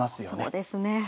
そうですね。